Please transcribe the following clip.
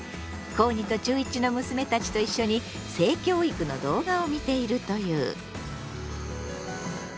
高２と中１の娘たちと一緒に性教育の動画を見ているという。